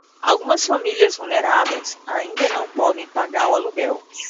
Algumas famílias vulneráveis ainda não podem pagar o aluguel